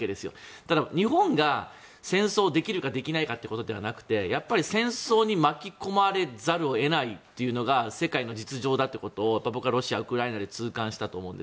ただ、日本が戦争できるかできないかということではなくて戦争に巻き込まれざるを得ないというのが世界の実情だということを僕はロシア、ウクライナで痛感したと思うんです。